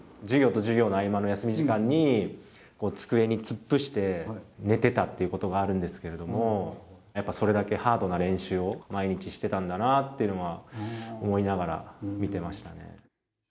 授業と授業の合間の休み時間に、机に突っ伏して寝てたっていうことがあるんですけれども、やっぱそれだけハードな練習を毎日してたんだなっていうのを思いながら見てましたね。